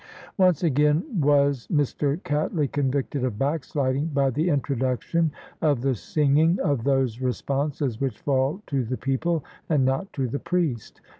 Once again was Mr. Cattley convicted of backsliding by the introduction of the singing of those responses which fall to the people and not to the priest.